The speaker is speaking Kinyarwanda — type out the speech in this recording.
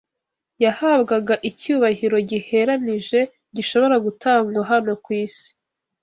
yahabwaga icyubahiro giheranije gishobora gutangwa hano ku isi